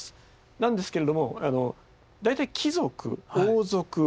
なんですけれども大体貴族王族